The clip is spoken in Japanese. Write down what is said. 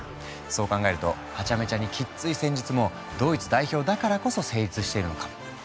そう考えるとはちゃめちゃにきっつい戦術もドイツ代表だからこそ成立しているのかも。